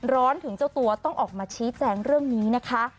ร้อนถึงเจ้าตัวต้องออกมาชี้แจงเรื่องนี้นะคะ